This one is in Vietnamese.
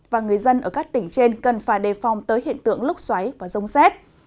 và người dân ở các tỉnh trên cần phải đề phòng tới hiện tượng lúc xoáy và rông xét